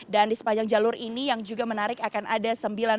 dan di sepanjang jalur ini yang juga menarik akan ada sembilan